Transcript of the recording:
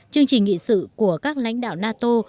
chương trình nghị sự của các lãnh đạo nato